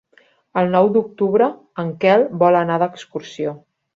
El nou d'octubre en Quel vol anar d'excursió.